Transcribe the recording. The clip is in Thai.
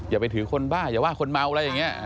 อย่าไปถือคนบ้าอย่าว่าคนเมาอะไรอย่างนี้